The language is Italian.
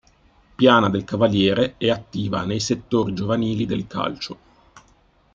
Piana del Cavaliere" è attiva nei settori giovanili del calcio.